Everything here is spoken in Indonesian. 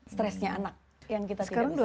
stresnya anak yang kita tidak bisa